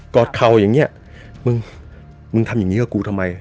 อดเข่าอย่างเงี้ยมึงมึงทำอย่างนี้กับกูทำไม